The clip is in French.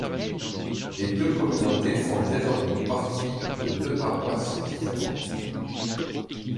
Les deux communautés font désormais partie de deux paroisses différentes.